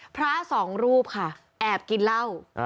พระสองรูปค่ะแอบกินเหล้า